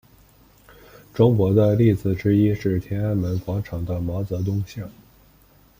中国的例子之一是天安门广场的毛泽东像。